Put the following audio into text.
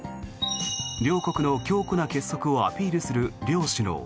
両国の強固な結束をアピールする両首脳。